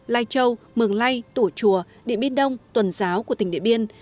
lai châu mường lây tủ chùa điện biên đông tuần giáo của tỉnh điện biên